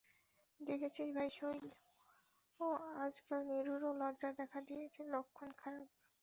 দেখেছিস ভাই শৈল, আজকাল নীরুরও লজ্জা দেখা দিয়েছে– লক্ষণ খারাপ।